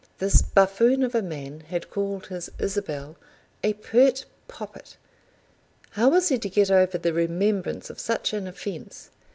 This buffoon of a man had called his Isabel a pert poppet! How was he to get over the remembrance of such an offence?